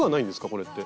これって。